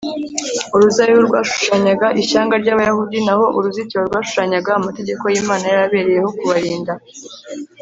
uruzabibu rwashushanyaga ishyanga ry’abayahudi, naho uruzitiro rwashushanyaga amategeko y’imana yari abereyeho kubarinda